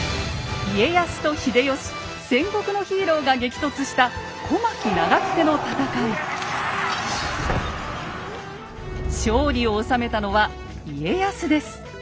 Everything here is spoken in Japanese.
戦国のヒーローが激突した勝利を収めたのは家康です。